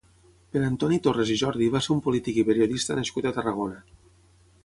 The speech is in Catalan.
Pere Antoni Torres i Jordi va ser un polític i periodista nascut a Tarragona.